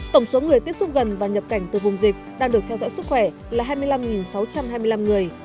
tổng số người tiếp xúc gần và nhập cảnh từ vùng dịch đang được theo dõi sức khỏe là hai mươi năm sáu trăm hai mươi năm người